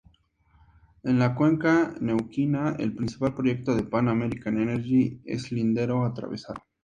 En la Cuenca Neuquina, el principal proyecto de Pan American Energy es Lindero Atravesado.